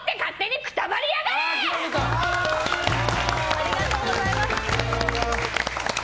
ありがとうございます。